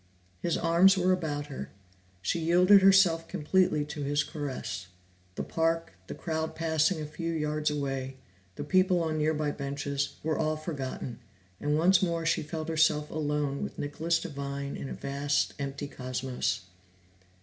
His arms were about her. She yielded herself completely to his caress; the park, the crowd passing a few yards away, the people on near by benches, were all forgotten, and once more she felt herself alone with Nicholas Devine in a vast empty cosmos.